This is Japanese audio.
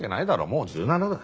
もう１７だよ。